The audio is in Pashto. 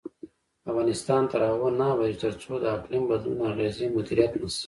افغانستان تر هغو نه ابادیږي، ترڅو د اقلیم بدلون اغیزې مدیریت نشي.